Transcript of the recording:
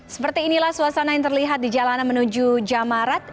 seperti inilah suasana yang terlihat di jalanan menuju jamarat